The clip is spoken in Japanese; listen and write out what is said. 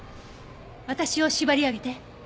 私を縛り上げて。